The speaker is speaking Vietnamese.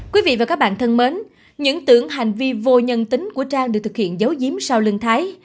quý vị và các bạn thân mến những tưởng hành vi vô nhân tính của trang được thực hiện giấu giếm sau lưng thái